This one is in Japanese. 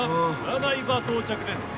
占場、到着です。